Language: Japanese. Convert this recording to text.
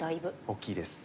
大きいです。